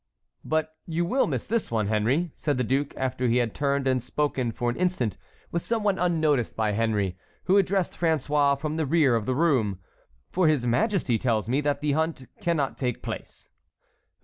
"But you will miss this one, Henry," said the duke, after he had turned and spoken for an instant with some one unnoticed by Henry, who addressed François from the rear of the room, "for his Majesty tells me that the hunt cannot take place."